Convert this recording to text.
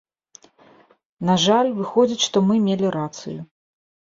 На жаль, выходзіць, што мы мелі рацыю.